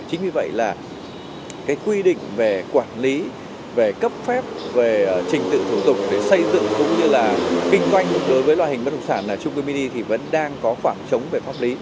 chính vì vậy là cái quy định về quản lý về cấp phép về trình tự thủ tục để xây dựng cũng như là kinh doanh đối với loại hình bất động sản là trung cư mini thì vẫn đang có khoảng trống về pháp lý